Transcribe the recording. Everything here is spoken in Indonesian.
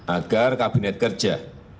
agar kabinet kerja